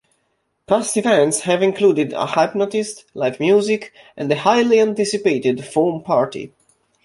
Past events have included a hypnotist, live music, and the highly anticipated foam party.